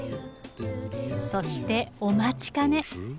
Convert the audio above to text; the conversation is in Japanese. そしてお待ちかね！